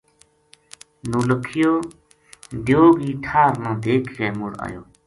نو لکھیو دیو کی ٹھا ر نا دیکھ کے مڑ ایو